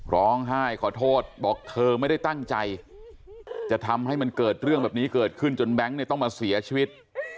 ร้องไห้ขอโทษบอกเธอไม่ได้ตั้งใจจะทำให้มันเกิดเรื่องแบบนี้เกิดขึ้นจนแบงค์เนี่ยต้องมาเสียชีวิต